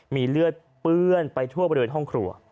มีเลือดเปื้อนไปทั่วบริเวณห้องครัว